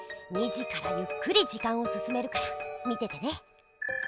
２じからゆっくりじかんをすすめるから見ててね。